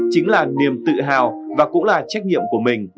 chính là niềm tự hào và cũng là trách nhiệm của mình